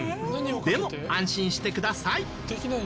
でも安心してください。